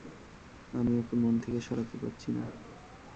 আমি ওকে মন থেকে সরাতে পারছি না।